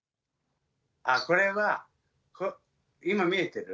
あっこれは今見えてる？